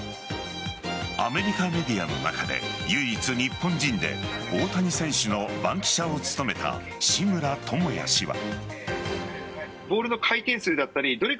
アメリカメディアの中で唯一、日本人で大谷選手の番記者を務めた志村朋哉氏は。